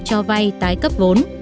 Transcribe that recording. cho vay tái cấp vốn